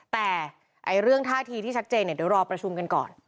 แต่เรื่องท่าทีที่ชัดเจนเดี๋ยวรอประชุมกันก่อน